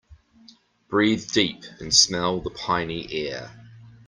Breathe deep and smell the piny air.